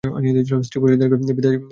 স্ত্রী-পরিজনদের বিদায় জানালেন।